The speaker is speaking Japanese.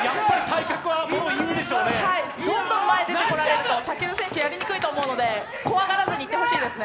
どんどん前に出てこられると、武尊選手やりにくいと思うので、怖がらずにいってほしいですね。